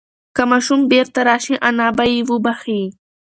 که ماشوم بیرته راشي انا به یې وبښي.